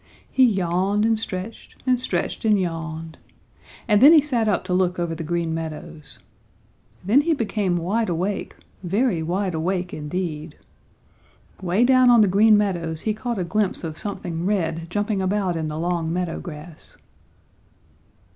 He yawned and stretched and stretched and yawned, and then he sat up to look over the Green Meadows. Then he became wide awake, very wide awake indeed! Way down on the Green Meadows he caught a glimpse of something red jumping about in the long meadow grass.